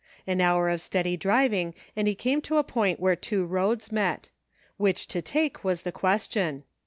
An hour of steady driving and he came to a point where two roads met. Which to take, was the question.